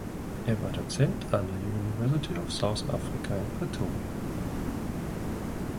Er war Dozent an der University of South Africa in Pretoria.